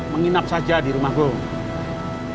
menginap saja di rumah gue